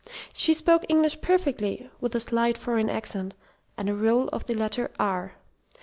She spoke English perfectly, with a slight foreign accent and a roll of the letter "r."